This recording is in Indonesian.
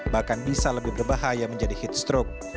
bahkan bisa lebih berbahaya menjadi heat stroke